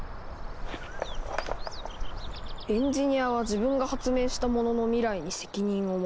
「エンジニアは自分が発明したものの未来に責任を持て」。